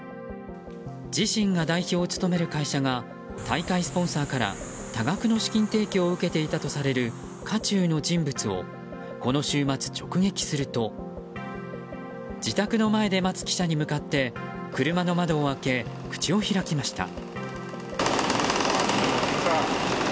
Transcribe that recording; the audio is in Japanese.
自身が代表を務める会社が大会スポンサーから多額の資金提供を受けていたとされる渦中の人物をこの週末、直撃すると自宅の前で待つ記者に向かって車の窓を開け口を開きました。